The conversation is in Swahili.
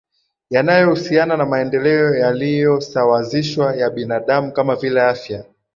yanayohusiana na maendeleo yaliyosawazishwa ya binadamu kama vile afya